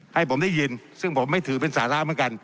ให้ผมได้ยินซึ่งผมไม่ถือเป็นสาระเหมือนกัน